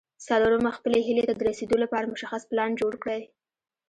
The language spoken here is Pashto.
څلورم خپلې هيلې ته د رسېدو لپاره مشخص پلان جوړ کړئ.